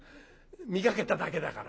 見かけただけだから」。